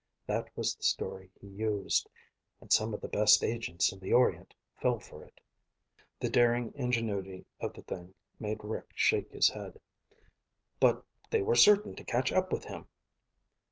That was the story he used and some of the best agents in the Orient fell for it." The daring ingenuity of the thing made Rick shake his head. "But they were certain to catch up with him!"